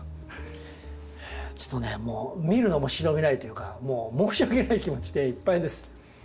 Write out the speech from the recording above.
ちょっとねもう見るのも忍びないというかもう申し訳ない気持ちでいっぱいです。